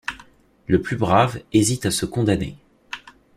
Le plus brave hésite à se condamner.